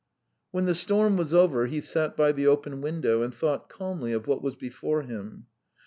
When the storm was over, he sat by the open window and thought calmly of what was before him.